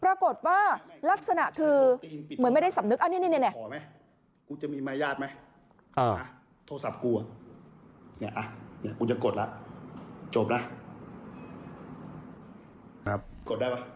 ปรากฏว่ารักษณะคือเหมือนไม่ได้สำนึก